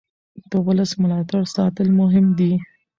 د ولس ملاتړ ساتل مهم دي